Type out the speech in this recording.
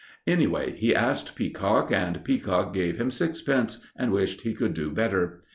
Anyway he asked Peacock, and Peacock gave him sixpence, and wished he could do better.